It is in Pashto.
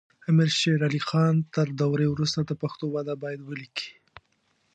امیر شیر علی خان تر دورې وروسته د پښتو وده باید ولیکي.